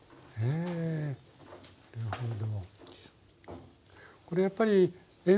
えなるほど。